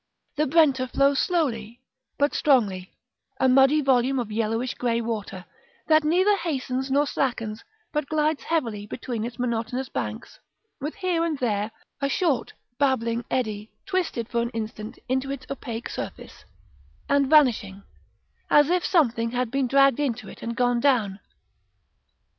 The Brenta flows slowly, but strongly; a muddy volume of yellowish grey water, that neither hastens nor slackens, but glides heavily between its monotonous banks, with here and there a short, babbling eddy twisted for an instant into its opaque surface, and vanishing, as if something had been dragged into it and gone down.